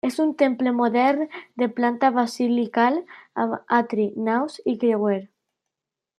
És un temple modern de planta basilical, amb atri, naus i creuer.